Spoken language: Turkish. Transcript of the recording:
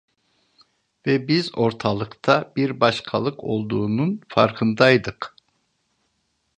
Ve biz ortalıkta bir başkalık olduğunun farkındaydık.